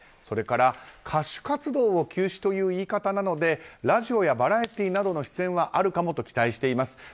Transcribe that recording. それから、歌手活動を休止という言い方なのでラジオやバラエティーなどの出演はあるかもと期待しています。